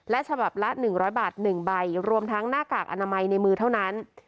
ฉบับละ๑๐๐บาท๑ใบรวมทั้งหน้ากากอนามัยในมือเท่านั้น